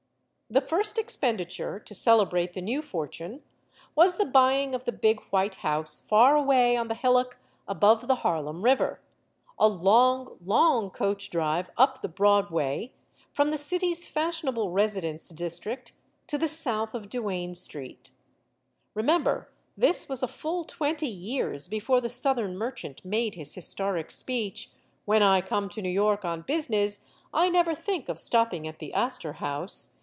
The first expenditure, to celebrate the new fortune, was the buying of the big white house far away on the hillock above the Harlem River; a long, long coach drive, up the Broad Way, from the city's fashionable residence district to the south of Duane Street. Re member, this was a full twenty years before the Southern merchant made his historic speech: "When I come to New York on business, I never think of stop ping at the Astor House.